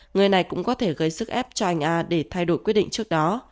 người này cũng có thể gây sức ép cho anh a để thay đổi quyết định trước đó